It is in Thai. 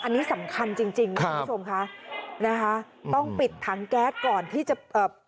อันนี้สำคัญจริงคุณผู้ชมคะนะคะครับ